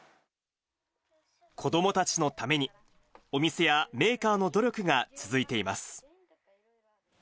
子どもたちのために、お店やメーカーの努力が続いています。